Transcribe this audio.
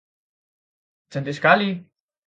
Cantik sekali!